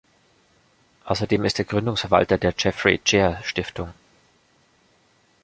Außerdem ist er Gründungsverwalter der Jeffery-Cheah-Stiftung.